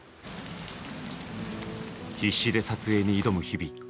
必死で撮影に挑む日々。